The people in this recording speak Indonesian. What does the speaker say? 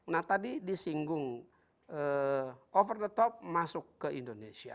nah tadi disinggung over the top masuk ke indonesia